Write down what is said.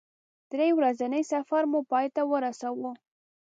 درې ورځنی سفر مو پای ته ورساوه.